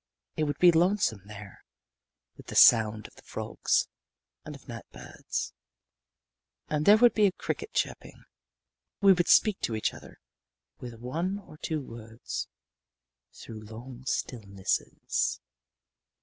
It would be lonesome there, with the sound of the frogs and of night birds and there would be a cricket chirping. We would speak to each other with one or two words through long stillnesses.